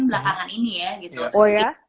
belakangan ini ya oh ya